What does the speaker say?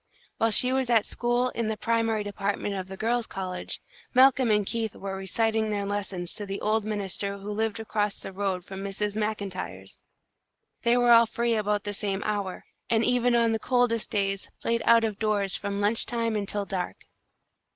While she was at school in the primary department of the Girls' College, Malcolm and Keith were reciting their lessons to the old minister who lived across the road from Mrs. MacIntyre's. They were all free about the same hour, and even on the coldest days played out of doors from lunch time until dark.